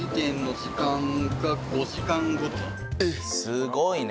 すごいね。